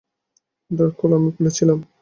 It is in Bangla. ডার্কহোল্ড আমি খুলেছিলাম।